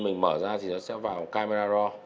mình mở ra thì nó sẽ vào camera raw